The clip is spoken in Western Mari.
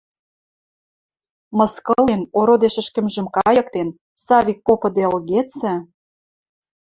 Мыскылен, ородеш ӹшкӹмжӹм кайыктен, Савик попыде ылгецӹ